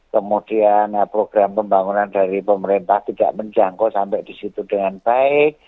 kemudian program pembangunan dari pemerintah tidak menjangkau sampai di situ dengan baik